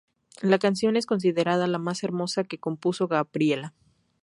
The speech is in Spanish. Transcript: La canción es considerada la más hermosa que compuso Gabriela.